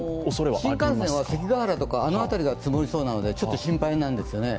新幹線は関ヶ原とか、あの辺りが積もりそうなのでちょっと心配なんですよね。